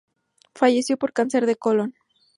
Falleció por un cáncer de colon.